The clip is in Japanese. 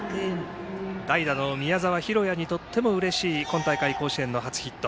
代打の宮澤宏耶にとってもうれしい今大会、甲子園の初ヒット。